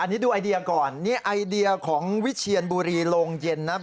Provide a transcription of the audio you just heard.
อันนี้ดูไอเดียก่อนนี่ไอเดียของวิเชียนบุรีโรงเย็นนะครับ